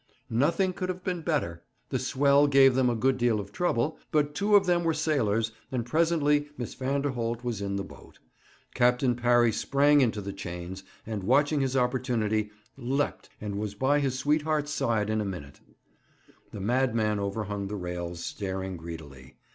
Nothing could have been better. The swell gave them a good deal of trouble, but two of them were sailors, and presently Miss Vanderholt was in the boat. Captain Parry sprang into the chains, and, watching his opportunity, leapt, and was by his sweetheart's side in a minute. The madman overhung the rails, staring greedily.